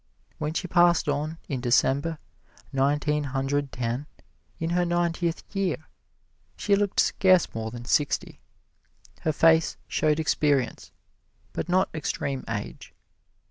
When she passed on, in December, Nineteen Hundred Ten, in her ninetieth year, she looked scarce more than sixty. Her face showed experience, but not extreme age.